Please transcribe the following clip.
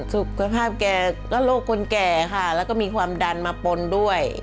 สุขภาพแกก็โรคคนแก่ค่ะแล้วก็มีความดันมาปนด้วย